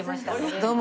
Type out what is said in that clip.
どうも。